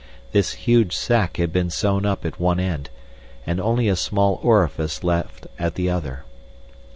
This huge sack had been sewn up at one end and only a small orifice left at the other.